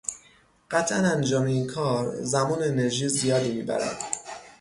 قطعا انجام این کار، زمان و انرژی زیادی میبرد